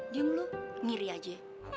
diam lu ngiri aja